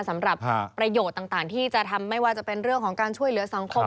สำหรับประโยชน์ต่างที่จะทำไม่ว่าจะเป็นเรื่องของการช่วยเหลือสังคม